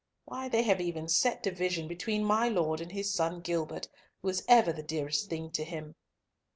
Why, they have even set division between my Lord and his son Gilbert, who was ever the dearest to him.